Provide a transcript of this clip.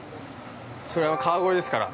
◆それは川越ですから。